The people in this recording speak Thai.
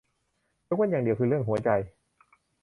ยกเว้นอย่างเดียวคือเรื่องหัวใจ